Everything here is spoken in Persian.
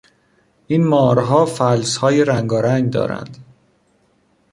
این مارها فلسهای رنگارنگ دارند.